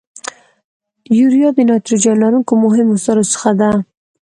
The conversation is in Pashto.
یوریا د نایتروجن لرونکو مهمو سرو څخه ده.